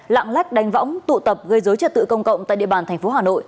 lạng lách đánh võng tụ tập gây dối trật tự công cộng tại địa bàn tp hà nội